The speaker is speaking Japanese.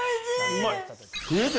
うまい。